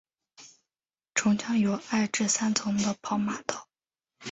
城墙有二至三层的跑马道。